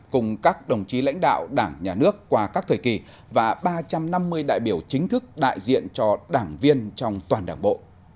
cùng các đồng chí lãnh đạo đảng nhà nước qua các thời kỳ và ba trăm năm mươi đại biểu chính thức đại diện cho đảng viên trong toàn đảng bộ